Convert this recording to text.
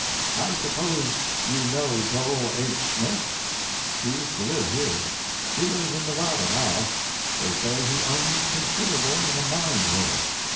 I suppose you know Joel H. Smith? He used to live here; he lives in Nevada now; they say he owns considerable in a mine there.